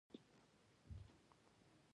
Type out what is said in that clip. دا څه خرخر غږېږې.